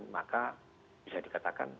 maka bisa dikatakan